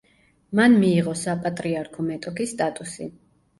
მან მიიღო საპატრიარქო მეტოქის სტატუსი.